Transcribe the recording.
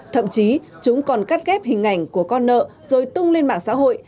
thậm chí chúng còn cắt ghép hình ảnh của con nợ rồi tung lên mạng xã hội